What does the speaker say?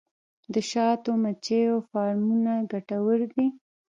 د شاتو مچیو فارمونه ګټور دي